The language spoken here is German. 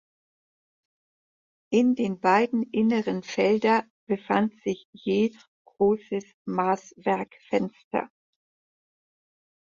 In den beiden inneren Felder befand sich je großes Maßwerkfenster.